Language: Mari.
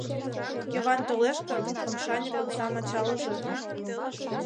Йыван толеш гын, омшаник омсам ачалыже.